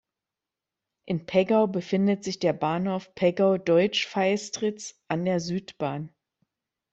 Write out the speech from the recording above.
In Peggau befindet sich der Bahnhof Peggau-Deutschfeistritz an der Südbahn.